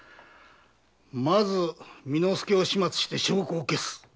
まず巳之助を始末して証拠を消す。